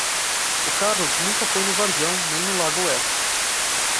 O Carlos nunca foi no Varjão, nem no Lago Oeste.